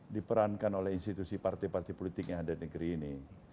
diperankan oleh institusi partai partai politik yang ada di negeri ini